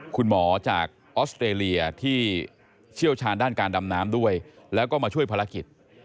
คุณหมอจากออสเตรเลียที่เชี่ยวชาญด้านการดำน้ำด้วยแล้วก็มาช่วยภารกิจ